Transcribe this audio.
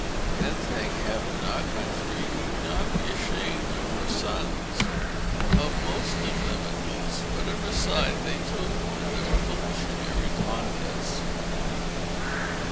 And, thank Heaven! our country need not be ashamed of her sons—of most of them, at least—whatever side they took in the revolutionary contest."